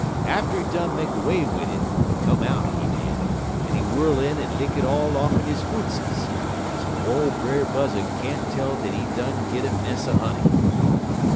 Atter he done make 'way wid it, he come out, he did, en he whirl in en lick it all off'n his footses, so ole Brer Buzzud can't tell dat he done bin git a mess er honey.